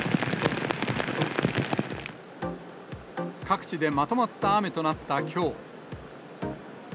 各地でまとまった雨となったきょう。